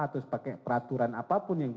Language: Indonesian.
harus pakai peraturan apapun yang